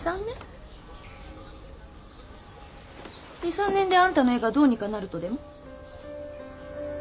２３年であんたの絵がどうにかなるとでも？